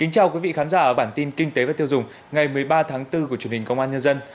chào mừng quý vị đến với bản tin kinh tế và tiêu dùng ngày một mươi ba tháng bốn của truyền hình công an nhân dân